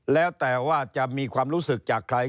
แล้วแต่ว่าจะมีความรู้สึกจากใคร